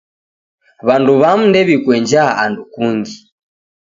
Wandu wamu ndew'ikuenjaa andu kungi.